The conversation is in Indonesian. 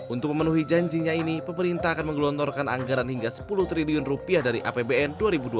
untuk memenuhi janjinya ini pemerintah akan menggelontorkan anggaran hingga sepuluh triliun rupiah dari apbn dua ribu dua puluh